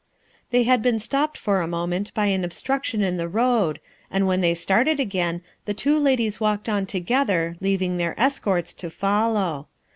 They had been stopped for a moment by an obstruction in the road and when they started again the two ladies walked on together leav ing their escorts to follow.